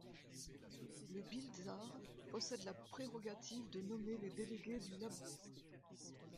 Le biltzar possède la prérogative de nommer les délégués du Labourd.